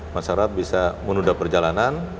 masyarakat bisa menunda perjalanan